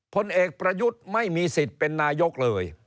ผลเอกประยุทธ์ไม่มีสิทธิ์เป็นนายกเลย